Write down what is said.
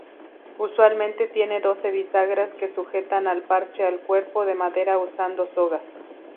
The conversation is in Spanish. Usualmente tiene doce bisagras que sujetan el parche al cuerpo de madera usando sogas.